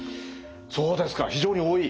そうですか非常に多い？